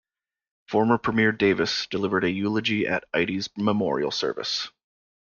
Former Premier Davis delivered a eulogy at Ide's memorial service.